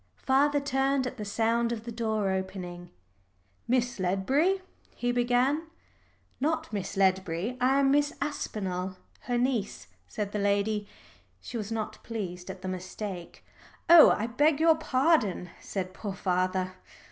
Father turned at the sound of the door opening. "Miss Ledbury," he began. "Not Miss Ledbury. I am Miss Aspinall, her niece," said the lady; she was not pleased at the mistake. "Oh, I beg your pardon," said poor father.